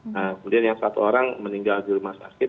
nah kemudian yang satu orang meninggal di rumah sakit